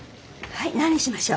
はい。